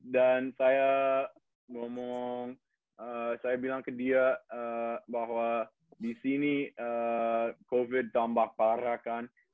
dan saya ngomong saya bilang ke dia bahwa di sini covid tambak parah kan